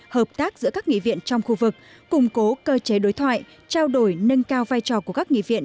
hợp tác giữa các nghị viện trong khu vực củng cố cơ chế đối thoại trao đổi nâng cao vai trò của các nghị viện